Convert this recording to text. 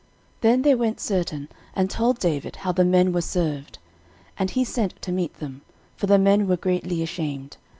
13:019:005 Then there went certain, and told David how the men were served. And he sent to meet them: for the men were greatly ashamed.